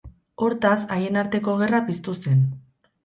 Hortaz, haien arteko gerra piztu zen.